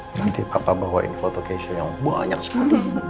nanti papa bawain foto keisha yang banyak sekali